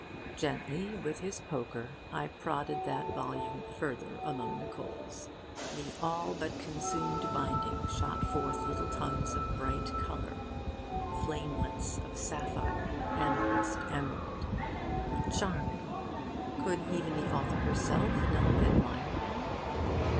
Gently, with his poker, I prodded that volume further among the coals. The all but consumed binding shot forth little tongues of bright colour flamelets of sapphire, amethyst, emerald. Charming! Could even the author herself not admire them?